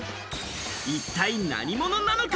一体何者なのか？